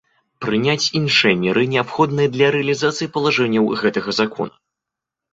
Прыняць iншыя меры, неабходныя для рэалiзацыi палажэнняў гэтага Закона.